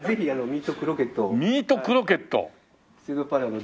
ミートクロケット。